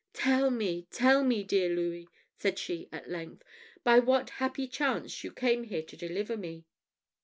"Tell me, tell me, dear Louis!" said she at length, "by what happy chance you came here to deliver me!"